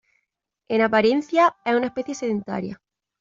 En apariencia es una especie sedentaria.